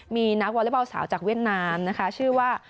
มีนักวอเล็กบอลสาวจากเวียดนามนะคะชื่อว่า